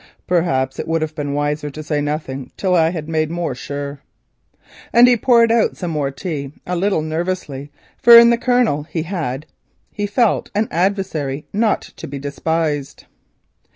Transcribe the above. Perhaps it would have been wiser to say nothing till I had made sure," and he poured out some more tea a little nervously, for in the Colonel he had, he felt, an adversary not to be despised.